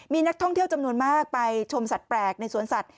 มีนักท่องเที่ยวจำนวนมากไปชมสัตว์แปลกในสวนสัตว